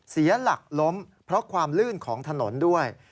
เสียหลักล้มเพราะความลื่นของถนนด้วย